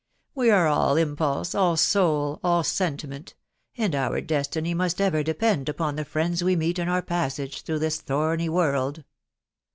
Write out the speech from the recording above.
.•• We are all impulse, aU soul, all sentiment, .... and our destiny must ever depend upon the friends we meet in our passage through this thorny world